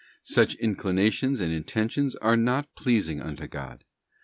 Such inclinations and intentions are not pleasing unto God.